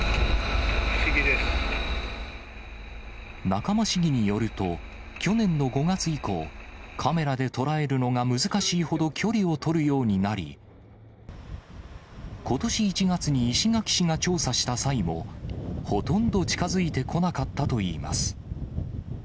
仲間市議によると、去年の５月以降、カメラで捉えるのが難しいほど、距離を取るようになり、ことし１月に石垣市が調査した際も、ほとんど近づいてこなかったといいます。